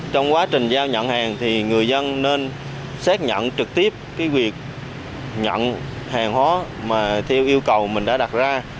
trong quá trình giao nhận hàng thì người dân nên xác nhận trực tiếp cái việc nhận hàng hóa mà theo yêu cầu mình đã đặt ra